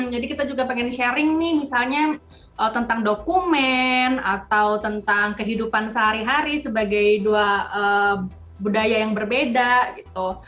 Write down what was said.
jadi kita juga pengen sharing nih misalnya tentang dokumen atau tentang kehidupan sehari hari sebagai dua budaya yang berbeda gitu